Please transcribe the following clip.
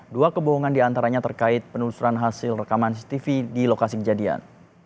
dua kebohongan diantaranya terkait penelusuran hasil rekaman cctv di lokasi kejadian